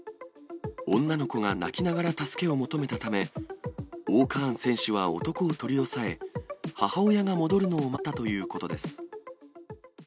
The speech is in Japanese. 女の子が泣きながら助けを求めたため、Ｏーカーン選手は男を取り押さえ、母親が戻るのを待ったということです。